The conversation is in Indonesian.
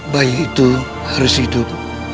bayi itu harus hidup